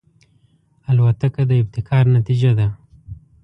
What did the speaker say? الوتکه د ابتکار نتیجه ده.